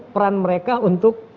peran mereka untuk